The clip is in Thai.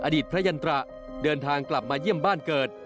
อดีตพระยันตระเดินทางกลับมาเยี่ยมบ้านเกิด